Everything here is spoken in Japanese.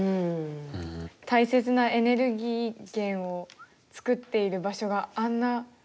大切なエネルギー源を作っている場所があんな